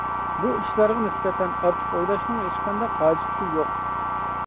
بۇ ئىشلارغا نىسبەتەن ئارتۇق ئويلاشنىڭ ھېچقانداق ھاجىتى يوق.